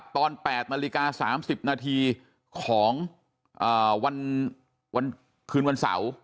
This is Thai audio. ตอน๘นาฬิกา๓๐นาทีของวันคืนวันเสาร์